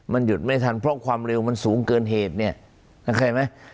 มันหยุดไม่ทันเพราะความเร็วมันสูงเกินเหตุเนี่ยเข้าใจไหม